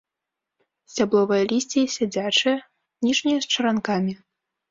Сцябловае лісце сядзячае, ніжняе з чаранкамі.